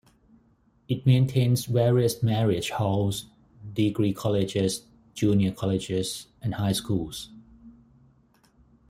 It maintains various marriage halls, degree colleges, junior colleges and high schools.